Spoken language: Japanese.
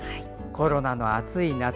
コロナの暑い夏。